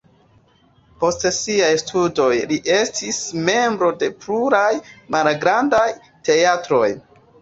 Post siaj studoj li estis membro de pluraj malgrandaj teatroj.